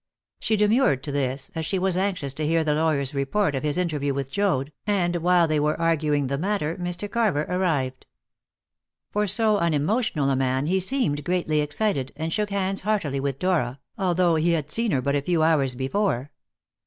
She demurred to this, as she was anxious to hear the lawyer's report of his interview with Joad, and while they were arguing the matter Mr. Carver arrived. For so unemotional a man, he seemed greatly excited, and shook hands heartily with Dora, although he had seen her but a few hours before.